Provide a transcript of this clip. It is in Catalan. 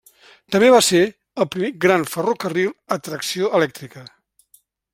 També va ser el primer gran ferrocarril a tracció elèctrica.